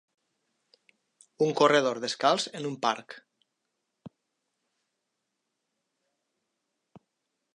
Un corredor descalç en un parc.